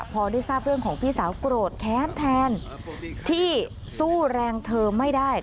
พอได้ทราบเรื่องของพี่สาวโกรธแค้นแทนที่สู้แรงเธอไม่ได้